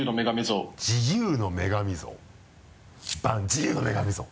「自由の女神像」「自由の女神像」バン！